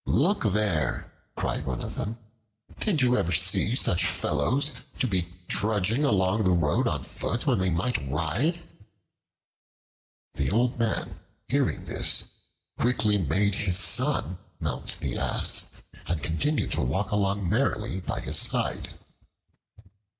"Look there," cried one of them, "did you ever see such fellows, to be trudging along the road on foot when they might ride?" The old man hearing this, quickly made his son mount the Ass, and continued to walk along merrily by his side.